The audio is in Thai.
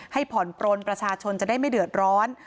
ผ่อนปลนประชาชนจะได้ไม่เดือดร้อน